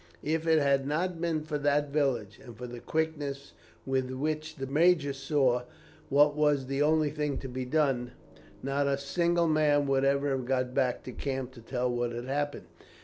If it had not been for that village, and for the quickness with which the major saw what was the only thing to be done, not a single man would ever have got back to camp to tell what had happened.